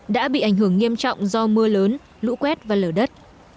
đã bị ảnh hưởng nghiêm trọng do mưa lớn lũ quét và lở đất